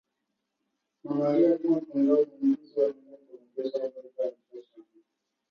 Mamalia kama kondoo na mbuzi wanaweza kuambukizwa ugonjwa wa kichaa cha mbwa